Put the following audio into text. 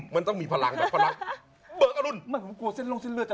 ไม่เคยมีพลังเบิกอรุณ